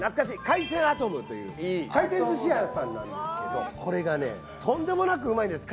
海鮮アトムという回転寿司屋さんなんですけどこれがねとんでもなくうまいんです。